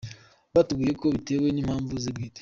Batubwiye ko bitewe n’impamvu ze bwite.